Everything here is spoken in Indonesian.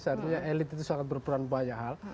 seharusnya elit itu sangat berperan banyak hal